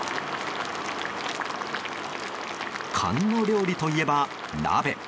寒の料理といえば、鍋。